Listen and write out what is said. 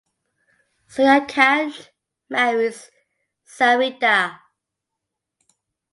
Suryakant marries Sarita.